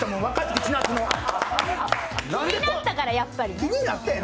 気になったからやっぱり。